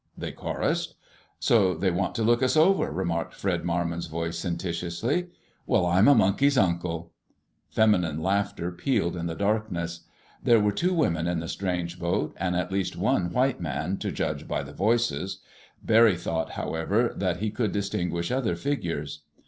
they chorused. "So they want to look us over," remarked Fred Marmon's voice sententiously. "Well, I'm a monkey's uncle!" Feminine laughter pealed in the darkness. There were two women in the strange boat and at least one white man, to judge by the voices. Barry thought, however, that he could distinguish other figures.